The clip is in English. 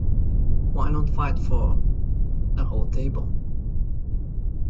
Why not fight for... the whole table?